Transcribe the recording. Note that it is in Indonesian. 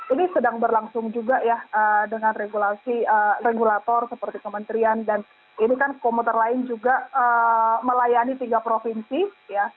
ini sedang berlangsung juga ya dengan regulator seperti kementerian dan ini kan komuter lain juga melayani tiga provinsi ya